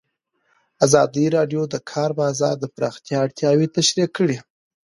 ازادي راډیو د د کار بازار د پراختیا اړتیاوې تشریح کړي.